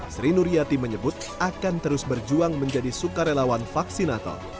sri nuryati menyebut akan terus berjuang menjadi sukarelawan vaksinator